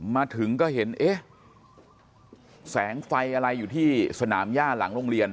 มาถึงก็เห็นเอ๊ะแสงไฟอะไรอยู่ที่สนามย่าหลังโรงเรียน